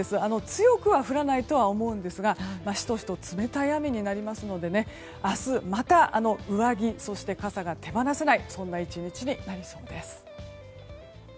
強くは降らないと思いますがしとしと冷たい雨になりますので明日また上着そして傘が手放せないそんな１日になりそうです。